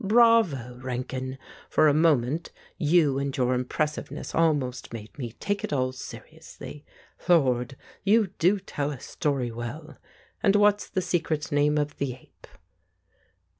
Bravo, Rankin ! For a moment, you and your im pressiveness almost made me take it all seriously. Lord I You do tell a story well ! And what's the secret name of the ape